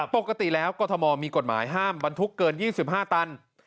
ปกติแล้วกรทมมีกฎหมายห้ามบรรทุกเกิน๒๕ตัน